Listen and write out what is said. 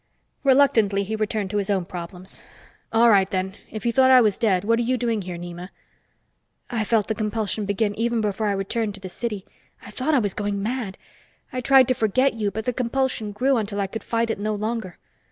Reluctantly, he returned to his own problems. "All right, then, if you thought I was dead, what are you doing here, Nema?" "I felt the compulsion begin even before I returned to the city. I thought I was going mad. I tried to forget you, but the compulsion grew until I could fight it no longer."